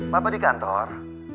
papa di kantor